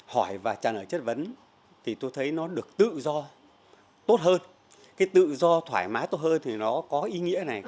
hỏi và trả lời chất vấn thì tôi thấy nó được tự do tốt hơn cái tự do thoải mái tốt hơn thì nó có ý nghĩa này